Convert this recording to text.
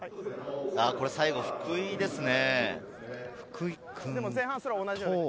最後、福井ですね。